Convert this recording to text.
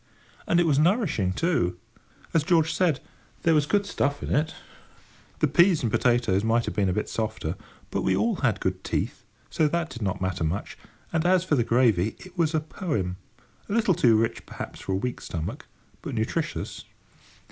And it was nourishing, too. As George said, there was good stuff in it. The peas and potatoes might have been a bit softer, but we all had good teeth, so that did not matter much: and as for the gravy, it was a poem—a little too rich, perhaps, for a weak stomach, but nutritious.